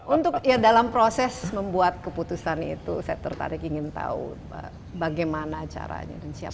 untuk ya dalam proses membuat keputusan itu saya tertarik ingin tahu bagaimana caranya dan siapa